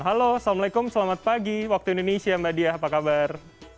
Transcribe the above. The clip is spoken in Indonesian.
halo assalamualaikum selamat pagi waktu indonesia mbak diah apa kabar